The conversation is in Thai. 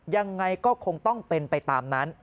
ยังไงก็คงต้องเป็นไปตามนั้น